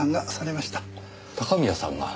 高宮さんが。